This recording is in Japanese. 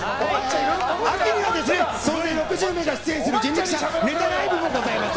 総勢６０名が出演する人力舎のネタライブもございます。